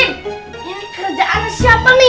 ini kerjaan siapa nih